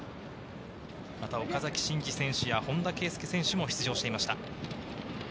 また岡崎慎司選手や本田圭佑選手も出場していました。